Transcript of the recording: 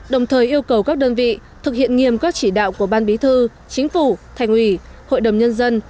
đồng thời yêu cầu các đơn vị thực hiện nghiêm các chỉ đạo của ban bí thư chính phủ thành ủy hội đồng nhân dân